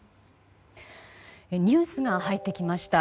ニュースが入ってきました。